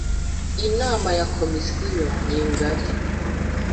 inama ya Komisiyo ningari.